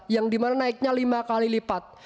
yang dimana naiknya lima kali lipat